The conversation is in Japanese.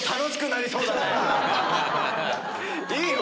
いいよ！